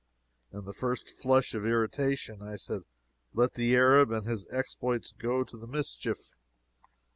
In the first flush of irritation, I said let the Arab and his exploits go to the mischief.